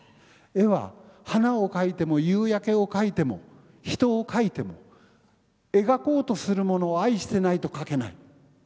絵は花を描いても夕焼けを描いても人を描いても描こうとするものを愛してないと描けない。